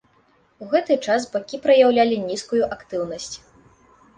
У гэты час бакі праяўлялі нізкую актыўнасць.